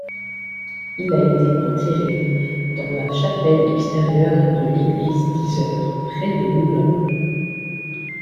Il a été enterré dans la chapelle extérieure de l’église d'Yzeure, près de Moulins.